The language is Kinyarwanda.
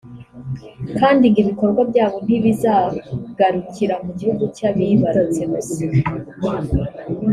kandi ngo ibikorwa byabo ntibizagarukira mu gihugu cyabibarutse gusa